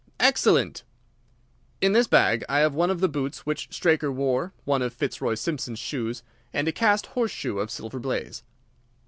"Excellent." "In this bag I have one of the boots which Straker wore, one of Fitzroy Simpson's shoes, and a cast horseshoe of Silver Blaze."